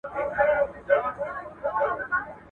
دروهني خبري، مكر، سوګندونه يا لوړي اخستل